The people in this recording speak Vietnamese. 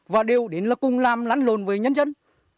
và đều đến là cùng làm lắn lồn với nhân dân